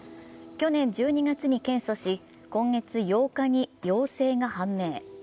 去年１２月に検査し、今月８日に陽性が判明。